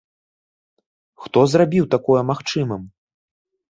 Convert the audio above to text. Хто зрабіў такое магчымым?